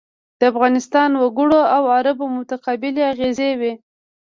د افغانستان وګړو او عربو متقابلې اغېزې وې.